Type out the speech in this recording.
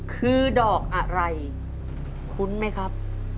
คือดอกอะไรคุ้นไหมครับ